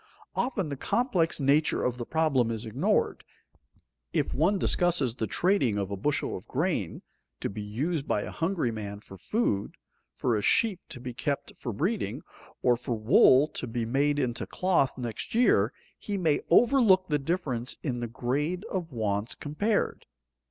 Often the complex nature of the problem is ignored. If one discusses the trading of a bushel of grain, to be used by a hungry man for food, for a sheep to be kept for breeding, or for wool to be made into cloth next year, he may overlook the difference in the grade of wants compared.